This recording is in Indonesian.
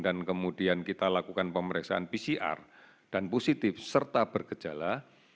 dan kemudian kita lakukan pemeriksaan pcr dan positif serta berkejala